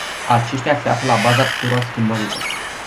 Aceștia se află la baza tuturor schimbărilor.